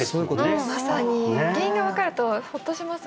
まさに原因が分かるとホッとします